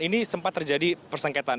ini sempat terjadi persengketaan